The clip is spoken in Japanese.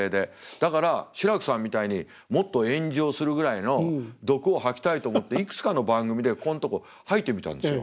だから志らくさんみたいにもっと炎上するぐらいの毒を吐きたいと思っていくつかの番組でここんとこ吐いてみたんですよ。